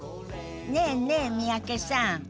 ねえねえ三宅さん。